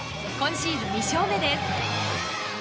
今シーズン２勝目です。